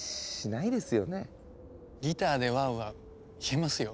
ギターで「ワウワウ」言えますよ。